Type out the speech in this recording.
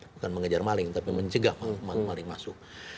bukan mengejar maling tapi mencegah maling masuk